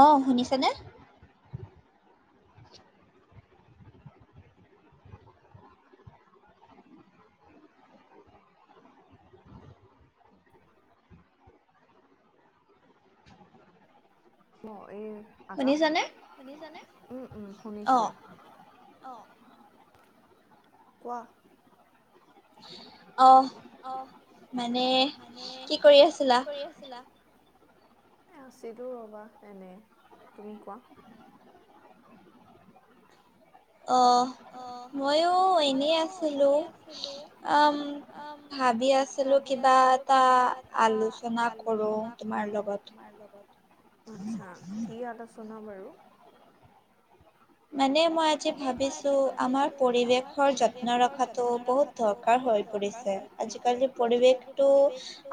অ শুনিছানে? ম এই', আটা শুনিছানে? উ', শুনিছোঁ। অ ', কোৱা? [inaudible] আহ', মানে কি কৰি আছিলা? আছিলোঁ ৰ'বা এনে তুমি কোৱা? অ', [inaudible] আহ ', মইয়ো এনেই আছিলো ভাবি আছিলো কিবা এটা আলোচনা কৰো তোমাৰ লগত? বাৰু মানে মই আজি ভাবিছোঁ আমাৰ পৰিৱেশৰ যত্ন ৰখাতটো বহুত দৰকাৰ হৈ পৰিছে আজিকালি পৰিৱেশটো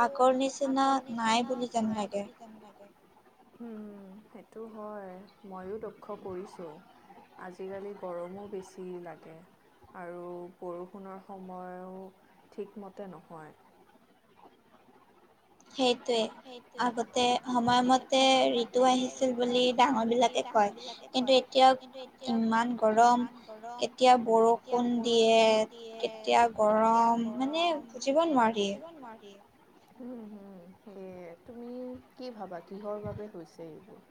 আগৰ নিচিনা নাই বুলি যেন লাগে। উম', সেইটো হয় ময়ো লক্ষ্য কৰিছো। আজিকালি গৰমো বেছি লাগে আৰু বৰষুণৰ সময়ো ঠিকমতে নহয়। সেইটোৱে আগতে সময়মতে ঋতু আহিছিল বুলি ডাঙৰ বিলাকে কয় কিন্তু এতিয়া ইমান গৰম কেতিয়া বৰষুণ দিয়ে কেতিয়া গৰম মানে বুজিব নোৱাৰি। উম ', - হম', এ', তুমি কি ভাবা কিহৰ বাবে হৈছে এইবোৰ?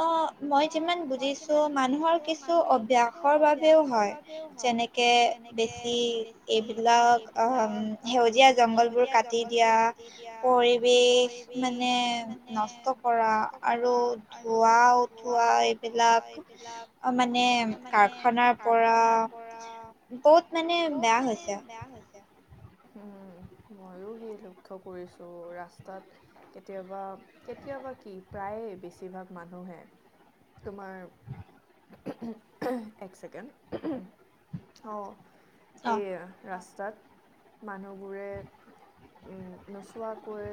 অ ', মই যিমান বুজিছোঁ মানুহৰ কিছু অভ্যাসৰ বাবেও হয় যেনেকে বেছি এইবিলাক অহ ', সেউজীয়া জংঘলবোৰ কাটি দিয়া পৰিৱেশ মানে নষ্ট কৰা আৰু আৰু ধোঁৱা এইবিলাক মানে কাৰখানাৰ পৰা বহুত মানে বেয়া হৈছে। উম ', ময়ো সেই লক্ষ্য কৰিছো ৰাস্তাত কেতিয়াবা- কেতিয়াবা কি প্ৰায়ে বেছিভাগ মানুহে তোমাৰ এক চছেকেণ্ড অ', এ ৰাছ তাত মানুহবোৰে নোচোৱাকৈ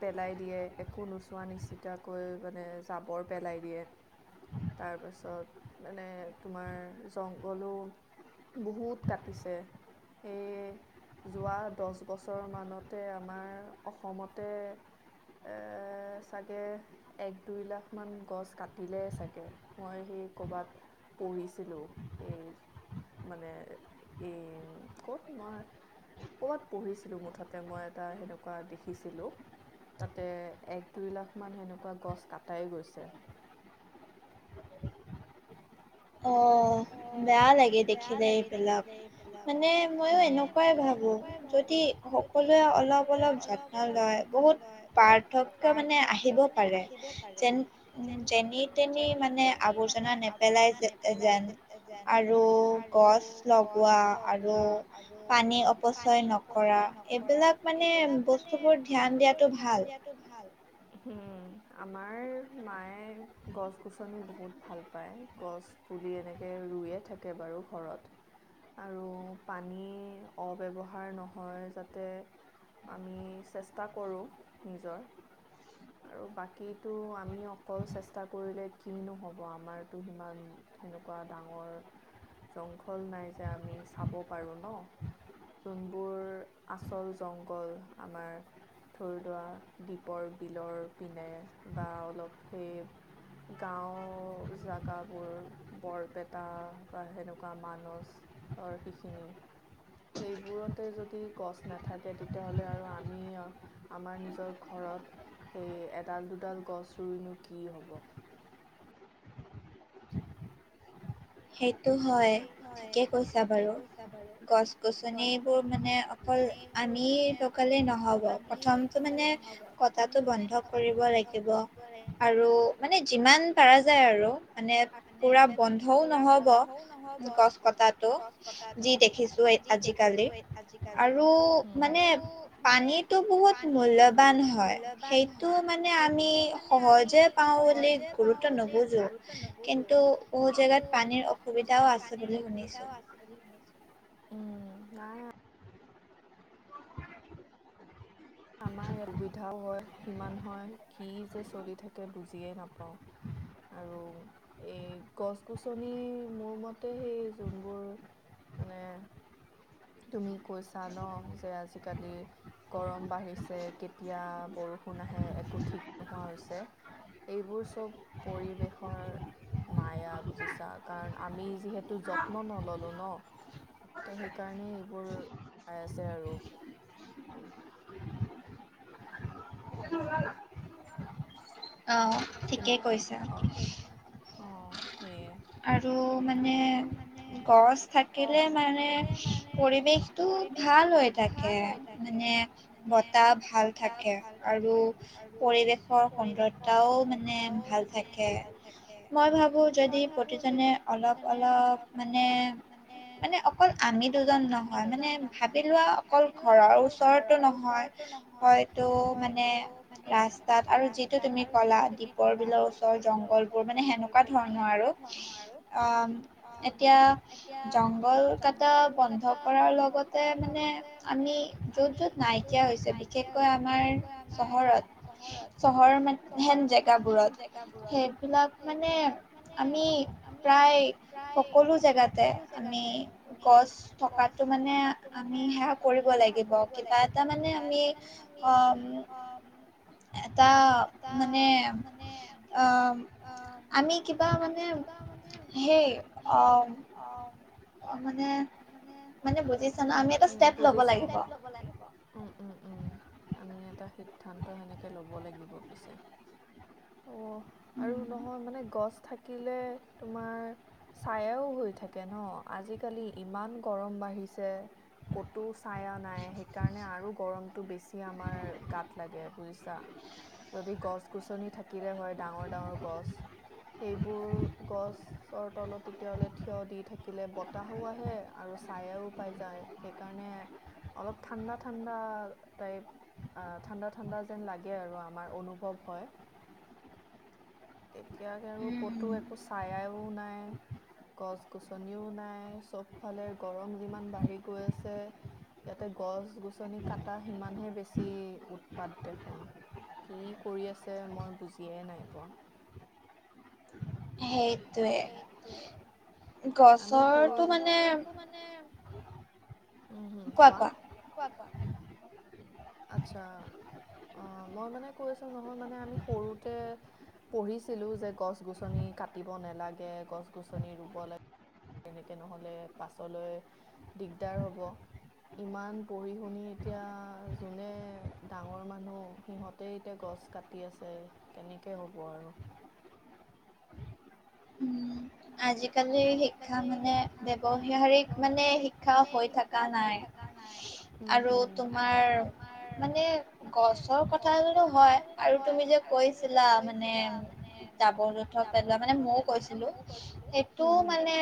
পেলাই দিয়ে একো নোচোৱা নিচিতাকৈ মানে জাবৰ। পেলাই দিয়ে তাৰপাছত মানে তোমাৰ জংঘলো বহুত কাটিছে এই যোৱা দহ বছৰমানতে আমাৰ অসমতে চাগে এক দুই লাখ মান গছ কাটিলে চাগে মই সেই কৰ'বাত পঢ়িছিলো এই মানে এই ক'ত মই ক'বাত পঢ়িছিলো মুঠতে মই এটা সেনেকুৱা দেখিছিলো তাতে এক দুই লাখ মান সেনেকুৱা গছ ক কাটাই গৈছে। অ ', বেয়া লাগে দেখিলে এইবিলাক মানে ময়ো এনেকুৱাই ভাবোঁ যদি সকলোৱে অলপ- অলপ যত্ন লয় বহুত পাৰ্থক্য মানে আহিব পাৰে যেন যেনি তেনি মানে আৱৰ্জনা নেপেলাই যে অ জান যেন আৰু গছ লগোৱা আৰু পানী অপচয় নকৰা এইবিলাক মানে বস্তুবোৰ ধ্যান দিয়াতো ভাল। উম ', আমাৰ মায়ে গছ গছনি বহুত ভাল পায় গছ পুলি এনেকে ৰুয়ে থাকে বাৰু ঘৰত আৰু পানী অব্যৱহাৰ নহয় যাতে আমি চেষ্টা কৰোঁ নিজৰ আৰু বাকীটো আমি অকল চেষ্টা কৰিলে কি নহ'ব আমাৰতো সিমান এনেকুৱা ডাঙৰ জংঘল নাই যে আমি চাব পাৰোঁ ন যোনবোৰ আচল জংঘল আমাৰ ধৰি লোৱা দ্বীপৰ বিলৰ পিনে বা অলপ সেই গাঁও জেগাবোৰ বৰপেটা বা সেনেকুৱা মানছ সেইখিনি সেইবোৰতে যদি গছ নাথাকে তেতিয়াহ'লে আৰু আমি আমাৰ নিজৰ ঘৰত সেই এডাল দুডাল গছ ৰুইনো কি হ'ব। সেই টো হয় ঠিকে কৈছা বাৰু গছ গছনিবোৰ মানে অকল আমি লগালে নহব প্ৰথমটো মানে কটাটো বন্ধ কৰিব লাগিব আৰু মানে যিমান পাৰা যায় আৰু মানে পুৰা বন্ধও নহ'ব গছ কটাটো যি দেখিছো। আজিকালি আৰু মানে পানীটো বহুত মূল্যবান হয়। সেইটো মানে আমি সহজে পাওঁ বুলি গুৰুত্ব নুবুজোঁ। নোবোজো কিন্তু অসুবিধাও আছে বুলি শুনিছোঁ। উম নাই। আমাৰ ইয়াত সুবিধাও হয়। কিমান হয় কি যে চলি থাকে বুজিয়েই নাপাওঁ। আৰু এই গছ গছনি মোৰ মতে সেই যোনবোৰ মানে তুমি কৈছা ন যে আজিকালি গৰম। বাঢ়িছে কেতিয়া বৰষুণ আহে একো ঠিক নোহোৱা হৈছে এইবোৰ চব পৰিৱেশৰ মায়া বুজিছা কাৰণ আমি যিহেতু। এইটো যত্ন নল'লো ন। ত' সেইকাৰণে এইবোৰ। চাই আছে আৰু। এতিয়াতো উলালা। [unintelligible] অ ঠিকেই কৈছা অ আৰু মানে গছ থাকিলে মানে পৰিৱেশটো ভাল হৈ থাকে মানে বতাহ ভাল থাকে আৰু। পৰিৱেশৰ সুন্দৰতাও মানে ভাল থাকে মই ভাবোঁ যদি। প্ৰতিজনে অলপ অলপ মানে মানে অকল আমি দুজন নহয় মানে ভাবি লোৱা অকল ঘৰৰ ওচৰতো নহয় হয়তো মানে। ৰাস্তাত আৰু যিটো তুমি ক'লা দ্বীপৰ বিলৰ ওচৰ জংঘলবোৰ মানে সেনেকুৱা ধৰণৰ আৰু। আহ এতিয়া জংঘল কটা বন্ধ কৰাৰ লগতে মানে আমি য'ত য'ত নাইকিয়া হৈছে বিশেষকৈ আমাৰ চহৰত। চহৰৰ মানহেন জেগাবোৰত সেইবিলাক মানে। আমি প্ৰায় সকলো জেগাতে আমি গছ থকাটো মানে আমি সেৱা কৰিব লাগিব কিবা এটা মানে আমি আহম এটা মানে আমি। আমি কিবা মানে হেই অ অ মানে মানে বুজিছা ন আমি এটা ষ্টেপ ল'ব লাগিব। আমি এটা সিদ্ধান্ত। ত সেনেকে ল'ব লাগিব পিছে। অ আৰু নহয় মানে গছ থাকি থাকিলে তোমাৰ ছায়াও হৈ থাকে ন আজিকালি ইমান গৰম বাঢ়িছে। ক'তো ছায়া নাই সেইকাৰণে আৰু গৰমটো বেছি আমাৰ গাত লাগে। বিছা যদি গছ গছনি থাকিলে হয়। ডাঙৰ ডাঙৰ গছ সেইবোৰ গছৰ তলত তেতিয়ালে থিয় দি থাকিলে বতাহো আহে আৰু ছায়া ও পাই যায়। সেইকাৰণে অলপ ঠাণ্ডা ঠাণ্ডা টাইপ আহ ঠাণ্ডা ঠাণ্ডা যেন লাগে আৰু আমাৰ অনুভৱ হয়। এতিয়ালে আৰু ক'তো একো ছায়ায়ো নাই গছ গছনিও নাই চবফালে গৰম যিমান বাঢ়ি গৈ আছে ইয়াতে গছ গছনি কাটা সিমানহে বেছি উৎপাত দেখোন কি কৰি আছে মই বুজিয়েই নাই পোৱা। সেই য় গছৰটো মানে উম হম কোৱা কোৱা কোৱা আচ্ছা মই মানে কৈ আছো নহয় মানে আমি সৰুতে পঢ়িছিলোঁ যে গছ গছনি কাটিব নেলাগে গছ গছনি ৰুব লাগে। তেনেকে নহ'লে পাছলৈ দিগদাৰ হ'ব ইমান পঢ়ি শুনি এতিয়া যোনে ডাঙৰ মানুহ সিহঁতে এতিয়া গছ কাটি আছে কেনেকে হ'ব আৰু আজিকালি শিক্ষা মানে ব্যৱহাৰিক মানে শিক্ষা হৈ থকা নাই আৰু তোমাৰ মানে গছৰ কথা হয় আৰু তুমি যে কৈছিলা মানে জাবৰ জোথৰ পেলোৱা মানে মইও কৈছিলোঁ‌। সেইটো মানে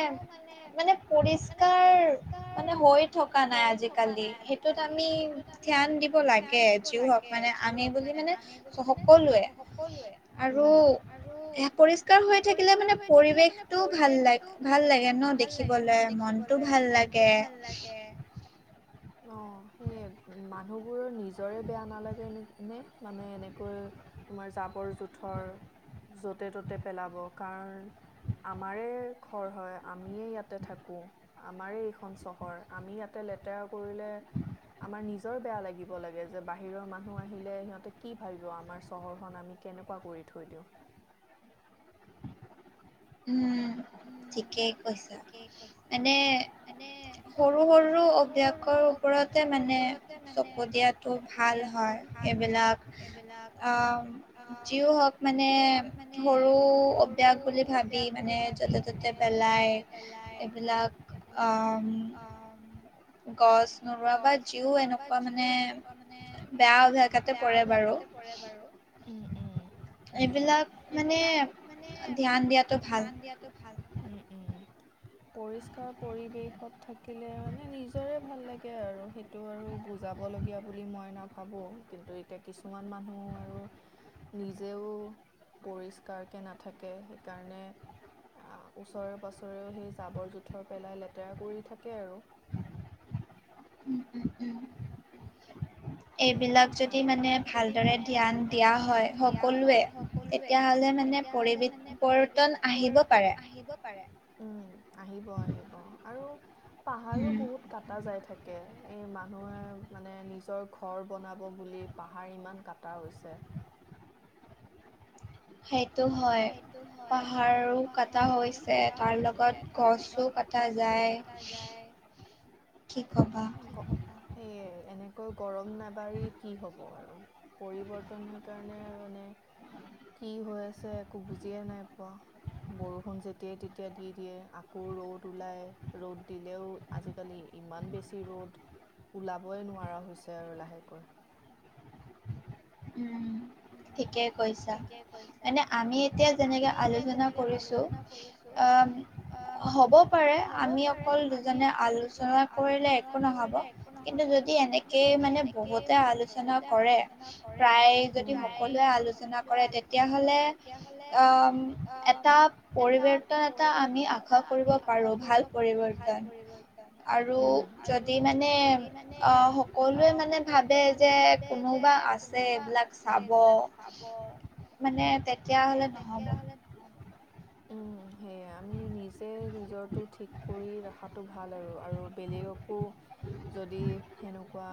মানে পৰিষ্কাৰ মানে হৈ থকা নাই আজিকালি সেইটোত আমি ধ্যান দিব লাগে যি হক মানে আমি বুলি মানে সকলোৱে আৰু পৰিষ্কাৰ হৈ থাকিলে মানে। থাকিলে মানে পৰিৱেশটোও ভাল লাগে ভাল লাগে ন দেখিবলৈ মনতটো ভাল লাগে। অ' সেইয় মানুহবোৰৰ নিজৰে বেয়া নালাগে নে মানে এনেকৈ তোমাৰ জাবৰ জোথৰ য'তে ত'তে পেলাব কাৰণ আমাৰে ঘৰ হয় আমিয়ে ইয়াতে থাকো আমাৰ এইখন চহৰ আমি ইয়াতে লেতেৰা কৰিলে আমাৰ নিজৰ বেয়া লাগিব লাগে যে বাহিৰৰ মানুহ আহিলে সিহঁতে কি ভাবিব আমাৰ চহৰখন আমি কেনেকুৱা কৰি থৈ দিওঁ। উম ঠিকেই কৈছা মনেে সৰু সৰু অভ্যাসৰ ওপৰতে মানে চকু দিয়াটো ভাল হয় এইবিলাক আহ যিও হওক মানে সৰু অভ্যাস বুলি ভাবি। মানে যাতে পেলায় এইবিলাক। গছ নোহোৱা বা যিও এনেকুৱা মানে বেয়া অভ্যাস পৰে বাৰু এইবিলাক মানে ধ্যান দিয়াটো ভাল উ উম পৰিষ্কাৰ পৰিৱেশত থাকিলে মানে নিজৰে ভাল লাগে আৰু সেইটো আৰু বুজাবলগীয়া বুলি মই নাভাবো কিন্তু এতিয়া কিছুমান মানুহ আৰু নিজেও পৰিষ্কাৰকে নাথাকে সেইকাৰণে আহ ওচৰে পাজৰেও সেই জাবৰ জোথৰ পেলাই লেতেৰা কৰি থাকে আৰু উম এইবিলাক যদি মানে ভালদৰে ধ্যান দিয়া হয় সকলোৱে তেতিয়াহলে মানে পৰিৱেশ বৰ্তন আহিব পাৰে। উম আহিব আহিব আৰু পাহাৰো বহুত কাটা যাই থাকে। এই মানুহে মানে নিজৰ ঘৰ বনাব বুলি পাহাৰ ইমান কাটা হৈছে। হেই সেইটো হয় পাহাৰো কটা হৈছে তাৰ লগত গছও কটা যায় সেই এনে আকৌ গৰম নাবঢ়ি কি হ'ব আৰু পৰিৱৰ্তন সেইকাৰণে মানে কি হৈ আছে। একো বুজিয়ে নাই পোৱা বৰষুণ যেতিয়াই তেতিয়া দি দিয়ে আকৌ ৰ'দ ওলায় ৰ'দ দিলেও আজিকালি ইমান বেছি ৰ'দ ওলাবই নোৱাৰা হৈছে আৰু লাহেকৈ উম ঠিকেই কৈছা মানে আমি এতিয়া যেনেকে আলোচনা কৰিছো আহ হব পাৰে আমি অকল দুজনে আলোচনা কৰিলে একো নহব কিন্তু যদি এনেকেই মানে বহুতে আলোচনা কৰে। প্ৰাইজ যদি সকলোৱে আলোচনা কৰে তেতিয়াাহলে আহ এটা পৰিৱৰ্তন এটা আমি আশা কৰিব পাৰো ভাল পৰিৱৰ্তন আৰু যদি মানে আহ সকলোৱে মানে ভাবে যে কোনোবা আছে। সেইবিলাক চাব মানে তেতিয়া হলে নহ'ব। উম সেয়া, আমি নিজে নিজৰটো ঠিক কৰি ৰখাতো ভাল আৰু। আৰু বেলেগক কো যদি সেনুকুৱা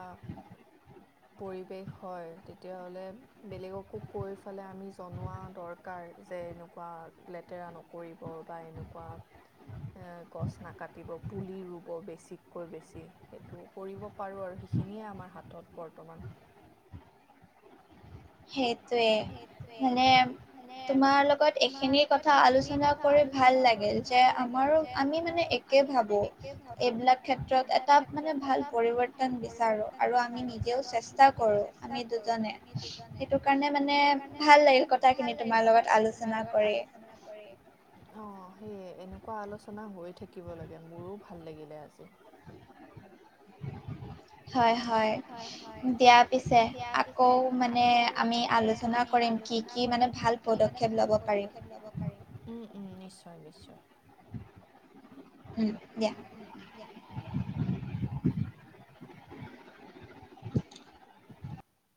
পৰিৱেশ হয় তেতিয়াহলে বেলেগকো কৈ পেলাই আমি জনোৱা দৰকাৰ যে, এনেকুৱা লেতেৰা নকৰিব বা এনেকুৱা গছ নাকাটিব, পুলি ৰুব বেছিককৈ বেছি সেইটো কৰিব পাৰোঁ আৰু সেইখিনিয়ে আমাৰ হাতত বৰ্তমান। সেত। য়ে মানে তোমাৰ লগত এইখিনি কথা আলোচনা কৰি ভাল লাগিল। যে আমাৰো আমি মানে একে ভাবো, এইবিলাক ক্ষেত্ৰত এটা মানে ভাল পৰিৱৰ্তন বিচাৰো, আৰু আমি নিজেও চেষ্টা কৰো আমি দুজনে। সেইটো কাৰণে মানে সেইটো কাৰণে মানে ভাল লাগিল কথাখিনি তোমাৰ লগত আলোচনা কৰি। অ। সেয়ে এনেকুৱা আলোচনা হৈ থাকিব লাগে মোৰো ভাল লাগিলে আজি। [unintelligible] হয় হয় হয় দিয়া পিছে আকৌ মানে আমি আলোচনা কৰিম, কি কি মানে ভাল পদক্ষেপ লব পাৰিম। উম উম নিশ্চয়। হয় নিশ্চয় উম দিয়া [unintelligible]